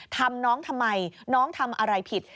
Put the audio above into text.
ทำน้องทำไมน้องทำอะไรผิด